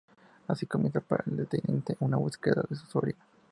Así comienza para el detective una búsqueda de su sobrino.